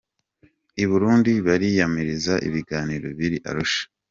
I Burundi bariyamiriza ibiganiro biri Arusha .